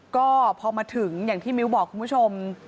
ก็พอมาถึงอย่างที่มิ้วบอกคุณผู้ชม